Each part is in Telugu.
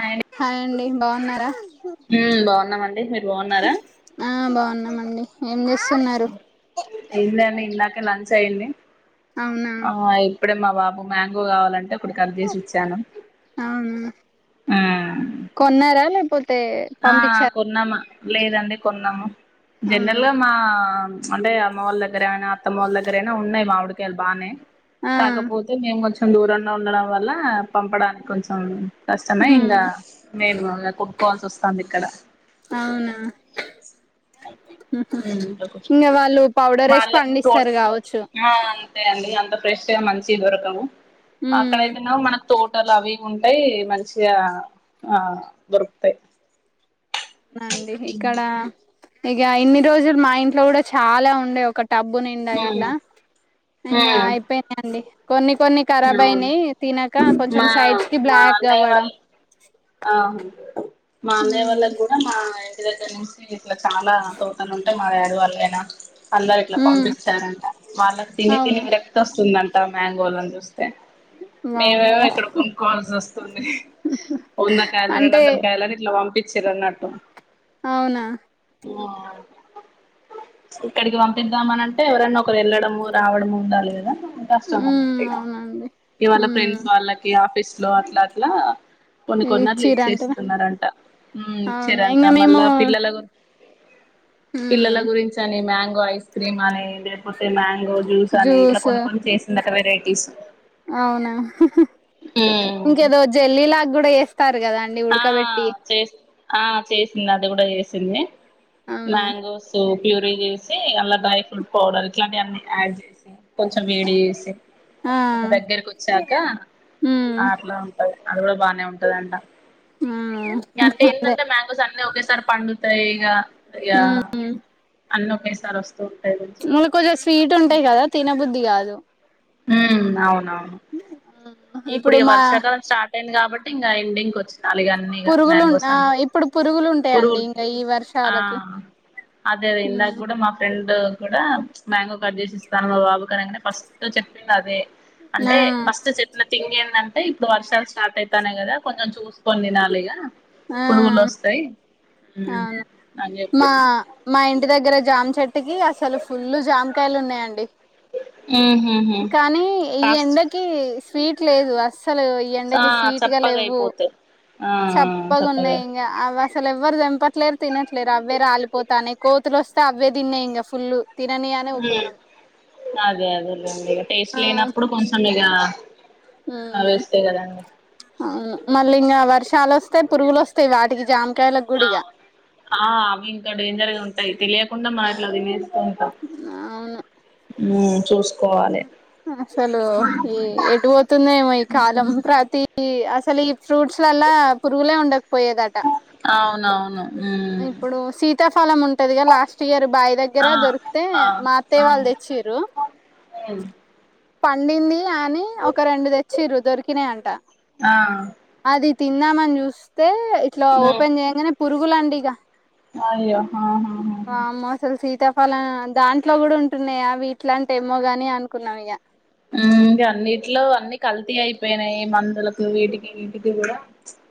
అండ్ హాయ్ అండి బావున్నారా ఉమ్ బాగున్నామండి మీరు బాగున్నారా ఆ బావున్నామండి ఏందడి ఇందాకే లంచ్ అయింది అవునా ఆ ఇప్పుడే మా బాబు మ్యాంగో కావాలంటే ఇప్పుడు కట్ చేసి ఇచ్చాను అవునా మ్ కొన్నారా లేకపోతే ఆ పంపించార కొన్నామా లేదండి కొన్నాము అవునా జనరల్గా మా అంటే అమ్మ వాళ్ళ దగ్గర అయినా అత్తమ్మ దగ్గరయినా ఉన్నాయి మామిడికాయలు బానే ఆ కాకపోతే మేము వ కొంచం దూరంలో ఉండడం వల్ల పంపడానికి కొంచెం కష్టమే ఇంగ ఉమ్ మేము ఇ కొట్టుకోవాల్సి వస్ అవునా ఉమ్ ఇంగ వాళ్ళు పౌడర్ వేసి పండిస్తారు కావచ్చు మళ్ళీ అంత ఫ్రెష్గా మంచి దొరకవు ఉమ్ అక్కడయితే నవు మన తోటలు అవి ఉంటాయి మంచిగా ఆ దొరుకుతయి అండి ఇక్కడ ఇగ ఇన్ని రోజులు మా ఇంట్లో కూడా చాలా ఉండే ఒకటి డబ్బు నిండా ఉమ్ ఇట్లా ఇంకా ఉమ్ అయిపోయిదండి కొన్ని కొన్ని ఖరాబ్ అవును అయినయి తినక కొంచెం మా సైడ్కి మా అన్నయ్య బ్లాగ్గవ్వడం వాళ్ళ ఆ మా అన్నయ్య వాళ్ళకు కూడా మా ఇంటి దగ్గర నుంచి ఇట్లా చాలా తోటలు ఉంటాయి మారారు వాళ్ళైనా అందరు ఇట్లా ఉమ్ పంపిస్తారంట వాళ్ళకి తిని తిని అవును విరక్తి వస్తుందంట ద మ్యాంగోలని చూస్తే వామ్మో మేమేమో ఇక్కడ కొనుకోవల్సి వస్తుంది వంద కాయలు రెండు అంటే వందల కాయలు అని ఇట్లా పంపి చిరన్నట్టు అవునా మార్ప ఇక్కడికి పంపిద్దామని అంటే ఎవరన్నా ఒకరు ఎళ్ళడము రావడము ఉండాలి కదా కష్టం హ్మ్ అన్నట్టే న అవునండి ఇవాళ హ్మ్ ఫ్రెండ్స్ వాళ్ళకి ఆఫీస్ లో అట్లా అట్లా కొన్ని కొనట్ల ఇచ్చిర్రు అంటనా ఇచ్చేస్తున్నారంట మ్ అవునా ఇచ్చెరంట ఇంగ మేము మళ్ళా పిల్లల పిల్లల హ్మ్ గురించి అని మ్యాంగో ఐస్ క్రీమ్ అని పోతే మ్యాంగో జ్యూస్ అని ఇట్లా కొన్ని కొన్ని చేసిందట వెరైటీస్ అవునా ఉమ్ ఇంకేదో జల్లిలాగ కూడా ఎస్తారు కదా అన్ని ఆ ఉడకబెట్టి చేస్ ఆ చేసింది అది కూడా చేసింది అవునా మ్యాంగో సూప్ ప్యూరీ చేసి అలా డ్రై ఫ్రూట్ పౌడర్ ఇట్లాంటి అన్న యాడ్ చేసి కొంచెం వేడి చేేసి ఆ కొంచం దగ్గరకి వచ్చాక హ్మ్ ఆట్లా ఉంటది అది కూడా బానే ఉంటది అంట ఆ ఇక అంటే అదే ఏంటంటే మ్యాంగోస్ అన్న ఒకేసారి పండుతాయి ఇక ఇక హ్మ్ అన్ని ఒకేసారి వస్తాయి మ కొంచెం స్వీట్ ఉంటాయి కదా తినబుద్ధి కాదు ఉమ్ అవునవును ఆ ఇప్పుడు ఇక వర్షాకాలం స్టార్ట్ అయింది కాబట్టి ఇంకా ఎండింగ్ వచ్చింది అలాగ అన్ని ఇక పురుగులు ఉన్- మ్యాంగోస్ ఆ అన్ని ఇప్పుడు పురుగులు ఉంటాయండి ఇంకా ఈ వర్షాలకి అంతా తిన్న హ్మ్ కూడా మా ఫె డ్ కూడా మ్యాంగో కట్ చేసిస్తాను మా బాబు కననే ఫస్ట్ చెప్పింది అదే ఆ అంటే ఫస్ట్ చెప్ థింగ్ ఏంటంటే ఇప్పుడు వర్షాలు స్టార్ట్ అవుతానే కదా కొంచెం చూసుకొని తినాలిగా ఆ పురుగులు వస్తాయి అవును అని మా చెప్పింది మా ఇంటి దగ్గర జామ్ చెట్టికీ అసలు ఫుల్ జామకాయలు ఉన్నాయండి ఉహుహు కానీ ఈ కాస్ట్ ఎండకి స్వీట్ లేదు అస్ అసలు ఈ ఆ ఎండకి స్వీట్ గా చప్పగా లేవు అయిపోతాయి ఆ ఆ చప్పగా ఉన్నాయి ఇంకా ఆ అసలు ఎవ్వరు దంపట్లేరు తినట్లేరు అవ్వే రాలిపోతానే కోతులు వస్తే అవ్వే తిన్నాయి ఇంకా ఫుల్ తిననియనే ఊకున్నాం ఉమ్ అదే అదలేండి ఇక టేస్ట్ ఆ లేనప్పుడు కొంచెం ఇక అవే మ్మ్ వేస్తేయి కదండి అవును మళ్ళీ ఇంకా వర్షాలు వస్తాయి పురుగులు వస్తాయి వాటికి జాము ఆ ఆ అవి ఇంకా డేంజర్ గా ఉంటాయి తెలియకుండా మనం అట్లా తిన్ అవును ఉమ్ చూ అసలు ఈ ఎటు పోతుందేమో ఈ కాలం ప్రతి ఈ అసలు ఈ ఫ్రూట్స్లల్లా పురుగులే ఉండకపోయేదట అవునూ ఇప్పుడు సీతాఫలం ఉంటదిగా లాస్ట్ ఇయర్ బావి దగ్గర ఆ దొరికితే ఆ మా ఆ అత్తయ్య వాళ్ళు తెచ్చారు ఉమ్ పండింది అని ఒక రెండు తెచ్చిరు దొరికినా అంట ఆ అది తిన్నామని చూస్తే ఇట్లా ఉమ్ ఓపెన్ చేయంగానే పురుగులండి ఇక అయ్యో ఆహాహా ఉమ్ వామ్మో అస్సలు సీత ఫలం దాంట్లో కూడా ఉంటున్నాయా వీట్లాంటి ఏమో గాని అనుకున్నాం ఇక ఇంకా అన్నింటిలో అన్ని కల్తీ అయిపోయినాయి మందులకు వీటికి వీటికి కూడా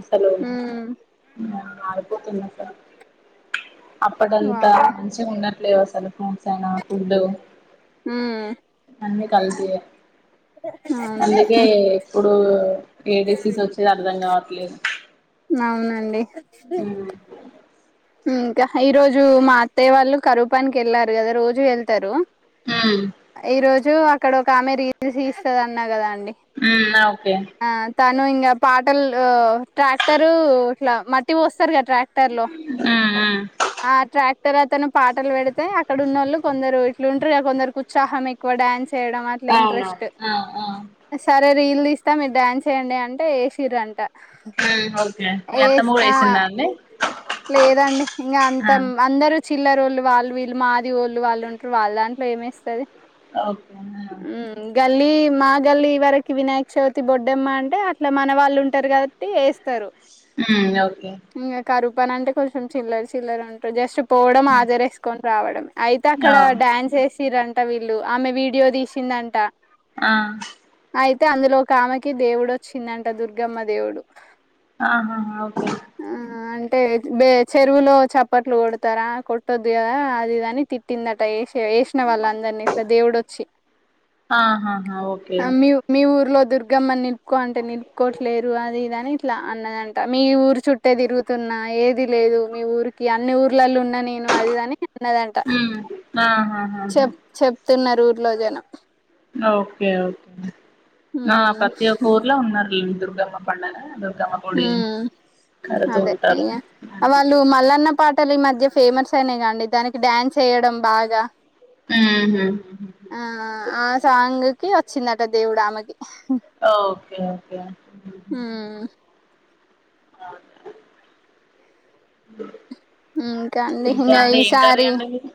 అసలు ఉమ్ ఆడిపోతుంది అసలు అప్పడంతా వామ్మో మంచిగా ఉండట్లేలెవ్ అసలు సనా ఫుడ్డు అన్నీ కలిపి ఆముహు ఇప్పుడు ఏ డిసీస్ వచ్చేది అర్ధం కావట్లేదు అవునండి ఇంకా ఈ రోజు మా అత్తయ వాళ్ళు కరూపానికి వెళ్ళారు కదా రోజు వెళ్తారు ఉమ్ ఈ రోజు అక్కడ ఒక ఆమె రీజస్ ఇస్తది అన్నా కదాండి ఆ ఓకే తను ఇంకా పాటలు ట్రాక్టరు ఇట్లా మట్టి పోస్తారు కదా ట్రాక్టర్ లో ఉమ్ ఉమ్ ఆ ట్రాక్ తర్వాతను పాటలు పెడితే అక్కడ ఉన్నోళ్ళు కొందరు ఇట్లు ఉంటారు కొందరు ఉత్సాహం ఎక్కువ డ్యాన్స్ చేయడం అట్లా ఆ ఇంట్రెస్ట్ ఆ ఉమ్ సరే రీల్లు తీస్తా మీరు డ్యాన్స్ వేయండి అంటే ఏసి ర్రు అంట ఉం ఓకే మీ అత్తమ్మ కూడా వేసిందా అండి లేదండి ఇంగ ఆ అంత అందరు చిల్లర వోళ్ళు వాళ్ళు వీళ్ళు మాదిగో వోళ్ళు వాళ్ళుంటారు వాళ్ళ దాంట్లో ఏమేస్తది ఓకే నా గల్లీ మా గల్లి వరకి వినాయక చవితి బొడ్డమ్మ అంటే అట్లా మన వాళ్ళు ఉంటారు కాబట్టి టరు ఉమ్ ఓకే ఇంగ కరువు పని అంటే కొంచెం చిల్లరు చిల్లర ఉంటరు జస్ట్ పోవడం హజరేసుకొని రావడం అయితే అక్కడ ఆ డ్యాన్స్ వేసి ర అంట వీళ్ళు ఆమె వీడియో తీసిందంట ఆ అయితే అందులో ఒక ఆమెకి దేవుడు వచ్చిందంట దుర్గమ్మ దేవుడు ఆహా ఓకే టే బే చెరువులో చప్పట్లు కొడతారా కొట్టొద్దు కదా అది ఇది అని తిట్టిందట వేస్ వేసిన వాళ్ళ అందరినీ ఇట్లా దేవుడోచ్చి ఆహాహా ఓకే మీ మీ ఊర్లో దుర్గమ్మని నిలుపుకో అంటే నిలుపుకోవట్లేరు అది ఇదని ఇట్లా అన్నదంట మీ ఊరు చుట్టే తిరుగు తున్నా ఏది లేదు మీ ఊరికి అన్ని ఊర్లలో ఉన్నా నేను అది ఇది అని అన్నదంట ఉమ్ ఆహాహా చెప్ చెప్తున్నారు ఊర్లో జనం ఓకేఓకే ఆ ఉమ్ పతి ఒక్క ఊర్లా ఉన్నర్లే దుర్గమ్మ పండుగ ఉం అదే ఉంటారు అయ్య వాళ్ళు మల్లన్న పాటలి మధ్య ఫేమస్ అయినా కాండి దానికి డ్యాన్స్ వేయడం బాగా ఊహు ఆ ఆ సాంగ్ కి వచ్చిందట దేవుడు ఆమెకి ఓకే ఓకే ఉం ఆ ఇంకా అండి ఏం కర్రీ అండి మీది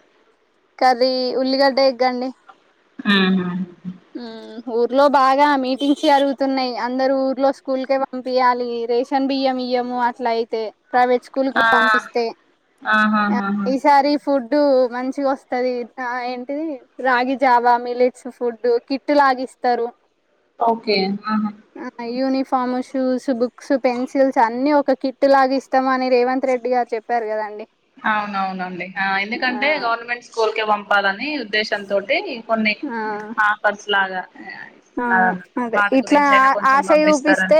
కర్రీ ఉల్లిగడ్డ ఎగ్ అండి వు హమ్ ఉం ఊర్లో బాగా మీటింగ్స్ జరుగుతున్నాయి అందరు ఊర్లో స్కూల్కే పంపియాలి రేషన్ బియ్యం ఇయ్యము అట్లా అయితే తే ప్రైవేట్ స్కూల్ ఆ పంపిస్తే ఆహాహాహా ఈసారి ఫుడ్ ఫుడ్డు మంచిగా వస్తది ఏంటిది రాగి జావా మిలేట్స్ ఫుడ్డు కిట్టు లాగ ఇస్తరు ఓకే ఆహా ఫార్మల్ షూస్ బుక్స్ పెన్సిల్స్ అన్ని ఒక కిట్ లాగా ఇస్తామని రేవంత్ రెడ్డి గారు చెప్పారు కదండి అవునవునండి ఆ ఆ ఎందుకంటే గవర్నమెంట్ స్కూల్కే పంపాలని ని ఉద్దేశం తోటి కొన్ని ఆ ఆఫర్స్ లాగా అవును ఇస్తున్నారు అదే వాటి ఇట్లా గురించి అయినా ఆ కొంచెం ఆశ పంపిస్తారని చూపిస్తే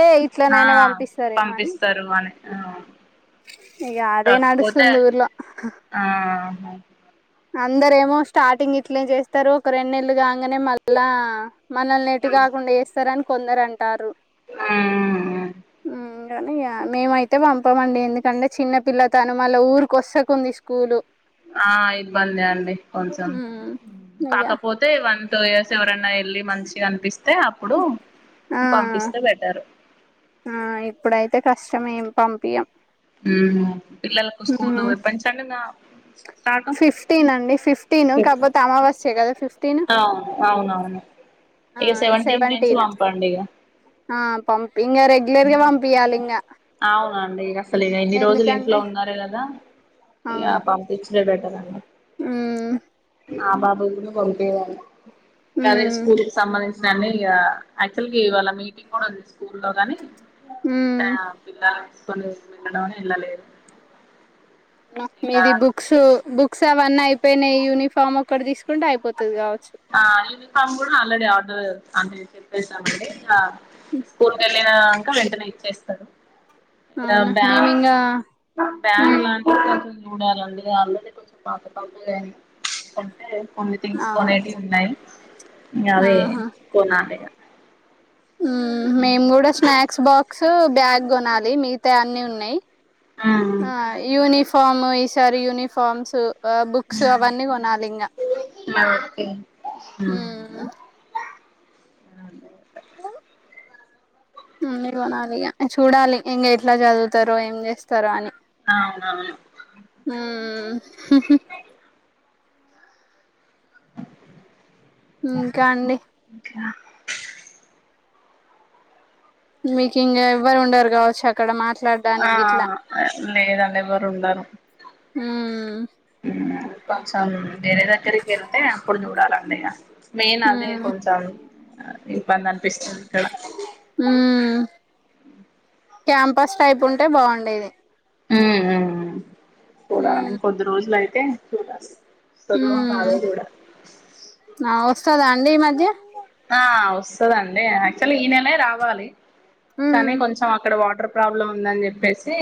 ఆ ఇట్లనైనా పంపిస్తారేమో అని పంపిస్తారు అని ఆ ఇగ అదే కాకపోతే నడుస్తుంది ఊర్లో ఆ అందరూ ఏమో స్టార్టింగ్ ఇట్లే చేస్తరు ఒక రెండు నెల్ కాంగానే మళ్ళా మనల్ని ఎటు కాకుండా చేస్తారని కొందరు అంటారు ఉమ్ మేమైతే పంపమండి ఎందుకంటే చిన్నపిల్ల తను మళ్ళ ఊరుకోస్సకుంది స్కూలు ఆ ఇబ్బందే అండి కొంచెం ఇక కాకపోతే వన్ టూ ఇయర్స్ ఎవరన్నా వెళ్ళి మంచిగా అనిపిస్తా స్తే అప్పుడు ఆ పంపిస్తే బెటర్ శ్రమ ఏం పంపియ్యం పిల్లలకు స్కూలు ఎప్పడినుంచండీ మా ఫిఫ్టీన్ అండి ఫిఫ్టీన్ కాకపోతే అమావాస్య కదా ఫిఫ్టీన్ అవును అవునవును ఆ ఇక సెవెంటీన్త్ నుంచి సెవెంటిన్ పంపండి ఇక ఆ పంపి ఇంగా రెగ్యులర్ గా పంపియ్యాలి ఇంగా అవునండి అసలు ఇగా ఇన్ని రోజులు ఇంట్లో ఎందుకంటే ఉన్నారు కదా ఇగా అవును పంపిచ్చుడే బెటర్ ఉమ్ మా బాబుని కూడా పంపియ్యాలి అదే ఉమ్ స్కూలుకు సంబంధించి అన్ని ఇగా యాక్చువల్ గా ఇవ్వాలా మీటింగు కూడా ఉంది స్కూల్లో గని ఉమ్ పిల్లలని తీసుకొని వెళ్లడమని వెళ్లలేదు మీది బుక్స్ బుక్స్ అవన్నీ అయిపోయినాయి యూనిఫామ్ ఒక్కటి తీసుకుంటే అయిపోతదిగా ఆ యూనిఫామ్ కూడా ఆల్రెడీ ఆర్డర్ అంటే చెప్పేసామండి స్కూల్ కి వెళ్ళినంక వెంటనే ఇచ్చేస్తాడు ఇగా అవునా బ్యా మేము ఇంగా బ్యాగు ఉమ్ లాంటివి కొంచెం చూడాలండీ ఆల్రెడీ కొంచెం పాత పాతగా అయ్యింది కొంటె కొన్ని థింగ్స్ అవును కోనేటివి ఇంగా అవి ఆహా కొనాలి మేము కూడా స్నాక్స్ బాక్స్ బ్యాగ్ కొనాలి మిగ అ అన్ని ఉన్నాయి ఆ యూనిఫామ్ ఈసారి యూనిఫార్మ్స్ బుక్స్ అవన్నీ కొనాలి ఇంగా ఓకే ఉమ్ హ [unintelligible] మీరు కొనాలి ఇగా చూడాలి ఇంగా ఎట్లా చదువుతారో ఏం చేస్తారో అని అవునవును ఉమ్ ఇంకా అండి ఇంకా మీకు ఇంగా ఎవ్వరు ఉండరు కావచ్చు అక్కడ మాట్లా ఆ ఆ లేదండి ఎవరు ఉండరు ఉమ్ కొంచెం వేరే దగ్గరికి వెళ్తే అప్పుడు చూడాలండి ఇగా మెయిన్ అదే ఉమ్ కొంచెం ఇబ్బంది అనిపిస్తుంది ఇక్కడ ఉమ్ క్యాంపస్ టైప్ ఉంటే బాగుండేది ఉ చూడాలి ఉమ్ ఇంకొద్ది రోజులు అయితే చూడాలి వస్తదో రాదో ఉమ్ చూడాలి ఆ వస్తదా ఈ మధ్య ఆ వస్తదండి యాక్చువల్గా ఈ నేలే రావాలి ఉమ్ కానీ కొంచెం అక్కడ వా ప్రాబ్లం ఉంది అని చెప్పేసి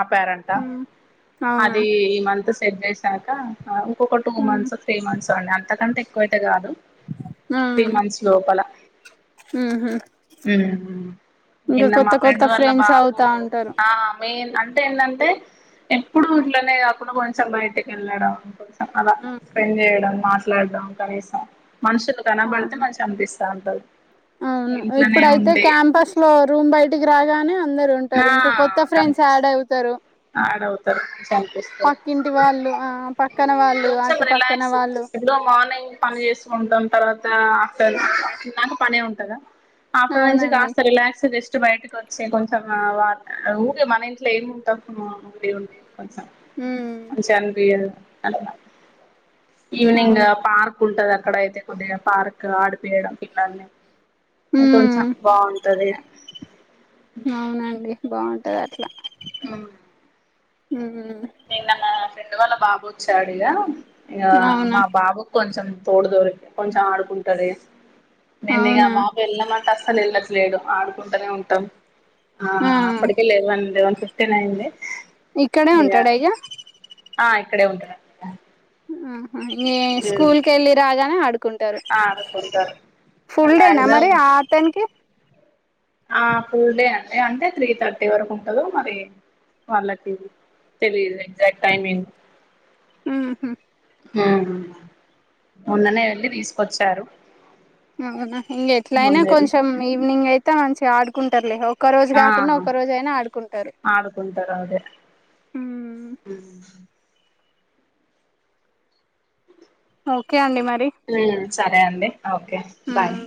ఆపారంట ఉమ్ అవునా అది ఈ మంత్ చెక్ చేసాక ఇంకొక two um months three months అండి అంతకంటే ఎక్కువ అయితే కాదు ఆ త్రీ మంత్స్ లోపల ఉహు ఇంకా నిన్న మా కొత్త ఫ్రెండ్ కొత్త వల్ల ఫ్రెండ్స్ బాబు అవుతా ఉంటారు ఆ మెయిన్ అంటే ఏందంటే ఎప్పుడు ఇంట్లోనే కాకుండా కొంచెం బయటికి వెళ్లడం అలా స్పెండ్ చేయడం మాట్లాడడం కనీసం మనుషులు కనబడితే అవును మంచిగా అనిపిస్త [unintelligible] పల్ అవును ఇప్పుడయితే క్యాంపస్ లో రూమ్ బయటికి రాగానే అందరు ఉంటారు ఇంకా కొత్త ఫ్రెండ్స్ యాడ్ అవుతారు యాడ్ ఆడవుతారు మంచిగా అనిపిస్తది పక్కింటి వాళ్ళు ఆ పక్కన వాళ్ళు కొంచెం అటు పక్కన రిలాక్స్ వాళ్ళు ఎప్పుడో మార్నింగ్ పని చేసుకుంటాం తర్వాత నాకు పనే ఉంటదా ఆఫ్టర్ నుంచి అవునండి కాస్త రిలాక్ బయటకు వచ్చి కొంచెం ఊరి మన ఇంట్లో ఏమి ఉంటా ఊ ఉంే ఉమ్ మంచిగా అనిపియదు ఈవినింగ్ అవును పార్క్ ఉంటది అక్కడ అయితే కొద్దిగా పార్క్ ఆడిపియడం పిల్లల్ని కొంచం ఉమ్ బాగుంటది అవునండి బాగుంటది అట్లా ఆ ఉహూ నేను నాన్న ఫ్రెండ్ వాళ్ళ బాబు వచ్చాడు ఇక ఇక అవునా మా బాబు కొంచెం తోడుదొరికి కొంచెం ఆడుకుంటాారు నేను ఇక అవునా బాబు వెళ్ళమంట అసను వెళ్ళ లేడు ఆడుకుంటూనే ఉంటాం ఆ అప్పటికే లేవన్ వన్ ఫిఫ్టీన్యింది ఇక్కడే ఉంటాడుైక ఆ ఇక్కడే ఉంటాడు అండి ఇగ మా స్కూల్ కి వెళ్లి రాగానే ఆడుకుంటారు ఆడుకుంటారు ఫుల్ డేనా మరి మాక్సిమం ఆ అతనికి ఆ ఫుల్ డే అండి అంటే త్రీ థర్టీ వరకు ఉంటదు మరి వాళ్ళకి తెలిదు ఎగ్జాక్ట్ టైమింగ్ ఉహు ఉమ్ మొన్ననే అని తీసుకొచ్చారు అవునా ఇంక ఎట్లయినా మొన్నెళ్ళి కొంచెం ఈవినింగ్ అయితే మంచిగా ఆడుకుంటారులే ఒకరోజు ఆ కాకుంనా ఒక రోజు అయినా ఆడుకుంటారు ఉమ్ హ్మ్ ఓకే అండి మరి ఉమ్ సరే అండి ఓకే బాయ్